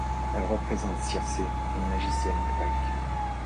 Elle représente Circé, une magicienne grecque.